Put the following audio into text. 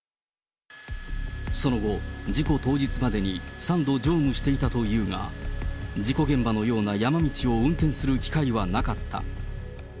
その後、事故当日までに３度乗務していたというが、事故現場のような山道を運転する機会はなかった。